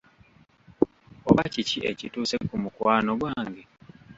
Oba kiki ekituuse ku mukwano gwange?